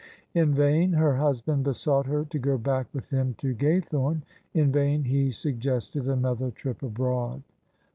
In vain her husband besought her to go back with him to Gaythorne ; in vain he suggested another trip abroad.